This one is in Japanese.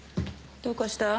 どうかした？